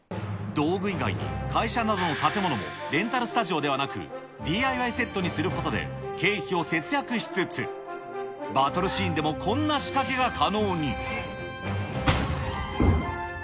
道具以外に、会社などの建物もレンタルスタジオではなく、ＤＩＹセットにすることで経費を節約しつつ、バトルシーンでもこんな仕掛けが可能に。